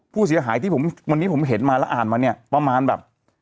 ผู้เสียหายที่ผมวันนี้ผมเห็นมาแล้วอ่านมาเนี่ยประมาณแบบ